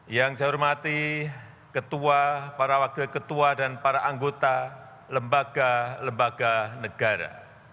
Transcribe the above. yang saya hormati ketua para wakil ketua dan para anggota lembaga lembaga negara